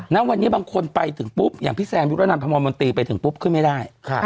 แล้ววันนี้บางคนไปถึงปุ๊บอย่างพี่แสงยูรนับธรรมบริมณ์บัลตีไปถึงปุ๊บขึ้นไม่ได้